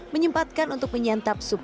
menyempatkan untuk menyantap sup